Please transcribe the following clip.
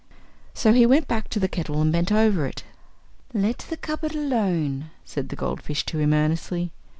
So he went back to the kettle and bent over it "Let the cupboard alone," said the goldfish to him earnestly.